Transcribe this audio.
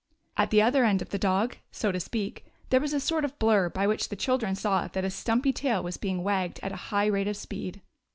At the other end of the dog, so to speak, there was a sort of blur, by which the children saw that a stumpy tail was being wagged at a high rate of speed.